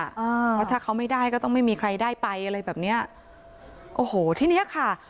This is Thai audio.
เพราะถ้าเขาไม่ได้ก็ต้องไม่มีใครได้ไปอะไรแบบเนี้ยโอ้โหทีเนี้ยค่ะ